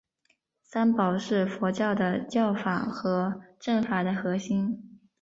三宝是佛教的教法和证法的核心。